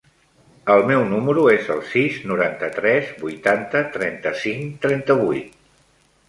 El meu número es el sis, noranta-tres, vuitanta, trenta-cinc, trenta-vuit.